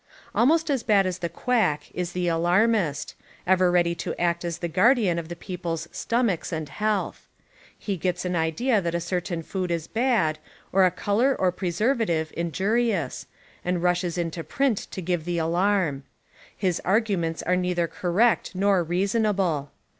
Almost as bad as the quack is the alarmist, ever ready to act as the guardian of the people's stomachs and health. He gets an idea that a certain food is bad, or a color or preservative injuri ous, and rushes into print to give the alarm. His arguments are neither correct nor reasonable.